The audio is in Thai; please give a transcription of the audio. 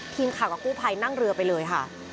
ทีมข่ากับคู่ภัยนั่งเรือไปเลยค่ะ